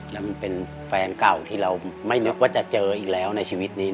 แล้วมันเป็นแฟนเก่าที่เราไม่นึกว่าจะเจออีกแล้วในชีวิตนี้